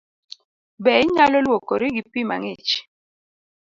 Be inyalo luokori gi pii mang'ich?